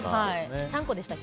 ちゃんこでしたっけ？